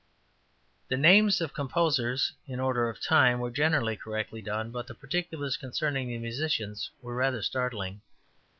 ``The names of composers in order of time were generally correctly done, but the particulars concerning the musicians were rather startling.